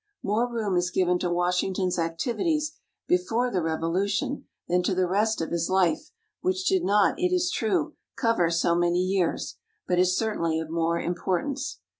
More room is given to Washington's activities before the Revolution than to the rest of his life, which did not, it is true, cover so many years, but is certainly of more importance.